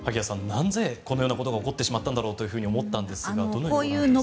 なぜこのようなことが起こってしまったんだろうと思いますがどのようにご覧になっていますか。